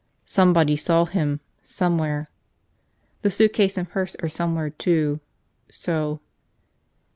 Somebody saw him, somewhere. The suitcase and purse are somewhere, too. So